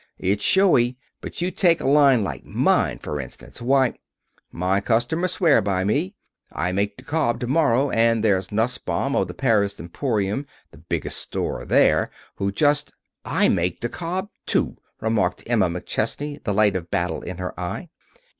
It's showy, but you take a line like mine, for instance, why " "My customers swear by me. I make DeKalb to morrow, and there's Nussbaum, of the Paris Emporium, the biggest store there, who just " "I make DeKalb, too," remarked Emma McChesney, the light of battle in her eye.